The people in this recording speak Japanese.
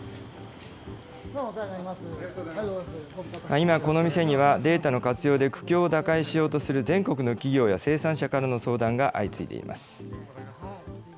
今、この店にはデータの活用で苦境を打開しようとする全国の企業や生産者からの相談が相次いでいます。